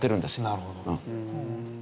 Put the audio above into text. なるほど。